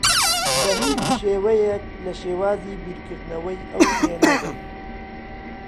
بە هیچ شێوەیەک لە شێوازی بیرکردنەوەی ئەو تێناگەم.